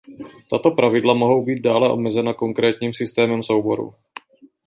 Tato pravidla mohou být dále omezena konkrétním systémem souborů.